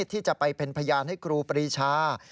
ที่จะไปเป็นพยานให้ครูปรีชา